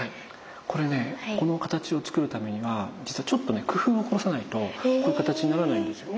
これねこの形をつくるためには実はちょっとね工夫を凝らさないとこういう形にならないんですよ。